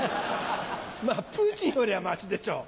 プーチンよりはましでしょう。